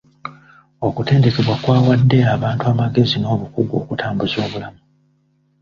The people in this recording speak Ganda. Okutendekebwa kwawadde abantu amagezi n'obukugu okutambuza obulamu.